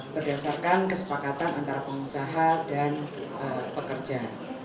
berdasarkan kesepakatan antara pengusaha dan pekerja